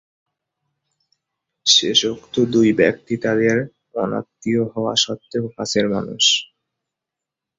শেষোক্ত দুই ব্যক্তি তাদের অনাত্মীয় হওয়া সত্বেও কাছের মানুষ।